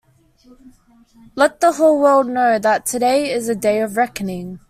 Let the whole world know that today is a day of reckoning.